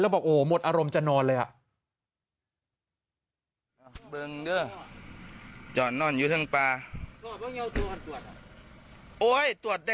แล้วบอกโอหมดอารมณ์จะนอนเลย